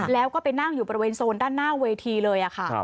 แล้วก็ไปนั่งอยู่บริเวณโซนด้านหน้าเวทีเลยค่ะ